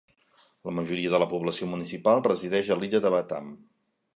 La majoria de la població municipal resideix a l'illa de Batam.